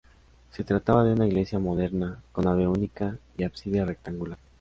Se trataba de una iglesia moderna, con nave única y ábside rectangular.